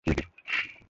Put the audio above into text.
মারো, মারো, কিজি।